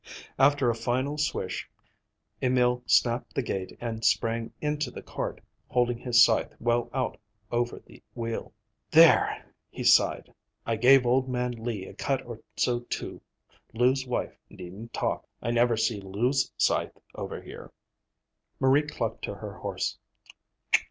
After a final swish, Emil snapped the gate and sprang into the cart, holding his scythe well out over the wheel. "There," he sighed. "I gave old man Lee a cut or so, too. Lou's wife needn't talk. I never see Lou's scythe over here." Marie clucked to her horse.